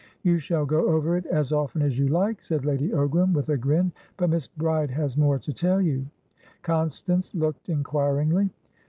"You shall go over it as often as you like," said Lady Ogram, with a grin. "But Miss Bride has more to tell you." Constance looked inquiringly.